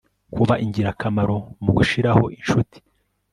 kuba ingirakamaro mugushiraho inshuti